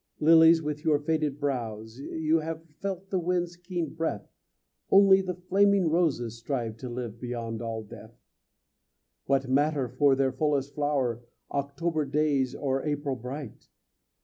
Lilies, with your faded brows, You have felt the wind's keen breath; Only the flaming roses strive To live beyond all death. AFTERNOON What matter for their fullest flower October days or April bright?